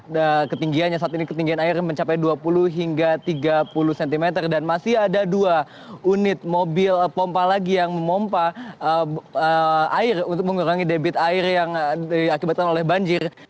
nah ketinggiannya saat ini ketinggian air mencapai dua puluh hingga tiga puluh cm dan masih ada dua unit mobil pompa lagi yang memompa air untuk mengurangi debit air yang diakibatkan oleh banjir